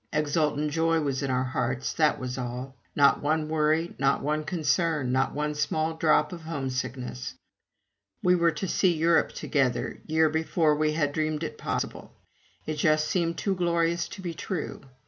Exultant joy was in our hearts, that was all. Not one worry, not one concern, not one small drop of homesickness. We were to see Europe together, year before we had dreamed it possible. It just seemed too glorious to be true.